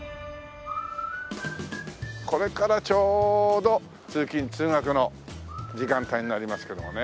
これからちょうど通勤通学の時間帯になりますけどもね。